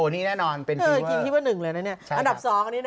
นี่แน่นอนเป็นฟีเวอร์๑เลยนะเนี่ยใช่ครับกินฟีเวอร์๑